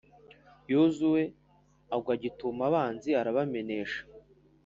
Yozuwe agwa gitumo abanzi, arabamenesha,